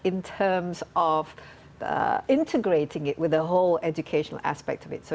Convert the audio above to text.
untuk mengintegrasikannya dengan aspek pendidikan secara secara sekolah